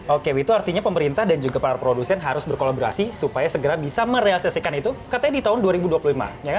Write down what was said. oke itu artinya pemerintah dan juga para produsen harus berkolaborasi supaya segera bisa merealisasikan itu katanya di tahun dua ribu dua puluh lima